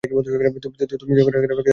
তুমি যেখানে রাজা নও সেখানে আমি অকর্মণ্য।